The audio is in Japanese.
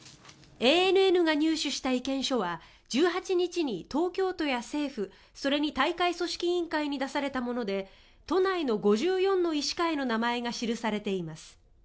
ＡＮＮが入手した意見書は１８日に東京都や政府それに大会組織委員会に出されたもので都内の５４の医師会の名前が記されています。